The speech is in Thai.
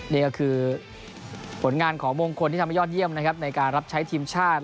นี่ก็คือผลงานของมงคลที่ทำให้ยอดเยี่ยมนะครับในการรับใช้ทีมชาติ